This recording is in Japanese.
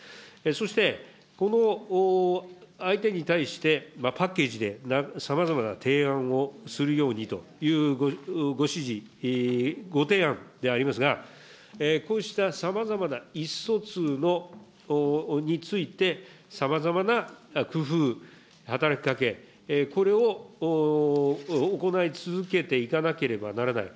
そして、この相手に対して、パッケージでさまざまな提案をするようにというご指示、ご提案でありますが、こうしたさまざまな意思疎通について、さまざまな工夫、働きかけ、これを行い続けていかなければならない。